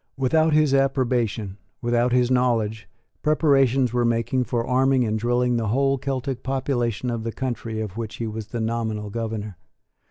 Without his approbation, without his knowledge, preparations were making for arming and drilling the whole Celtic population of the country of which he was the nominal governor.